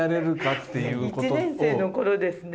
１年生の頃ですね。